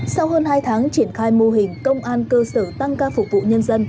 sau hơn hai tháng triển khai mô hình công an cơ sở tăng ca phục vụ nhân dân